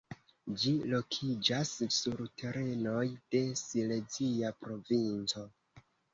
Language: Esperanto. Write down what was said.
Ĝi lokiĝas sur terenoj de Silezia Provinco.